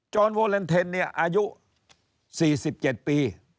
จอห์นโวแลนเทนเนี่ยอายุ๔๗ปี